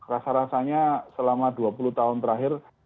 rasa rasanya selama dua puluh tahun terakhir